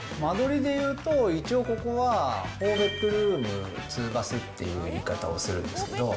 間取りでいうと、一応ここは４ベッドルーム２バスって言い方するんですけど。